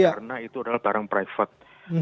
karena itu adalah barang private